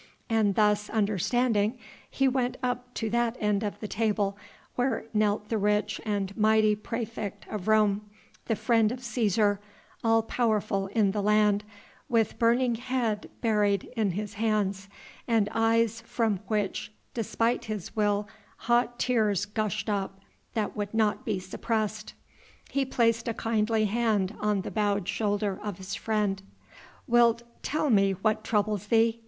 And thus understanding he went up to that end of the table where knelt the rich and mighty praefect of Rome, the friend of Cæsar, all powerful in the land, with burning head buried in his hands, and eyes from which despite his will hot tears gushed up that would not be suppressed. He placed a kindly hand on the bowed shoulder of his friend. "Wilt tell me what troubles thee?"